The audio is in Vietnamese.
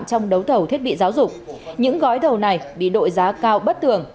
trong đấu thầu thiết bị giáo dục những gói thầu này bị đội giá cao bất thường